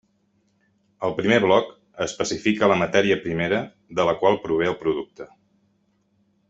El primer bloc especifica la matèria primera de la qual prové el producte.